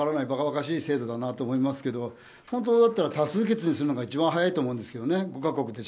ばかばかしい制度だなと思いますけど本当だったら多数決にするのが早いと思いますけどね。